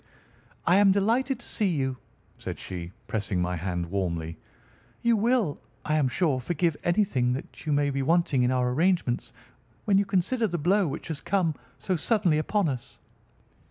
"I am delighted to see you," said she, pressing my hand warmly. "You will, I am sure, forgive anything that may be wanting in our arrangements, when you consider the blow which has come so suddenly upon us."